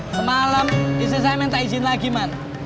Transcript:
semalam bisa saya minta izin lagi man